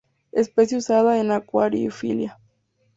Especie usada en acuariofilia.